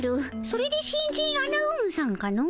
それで新人アナウンさんかの？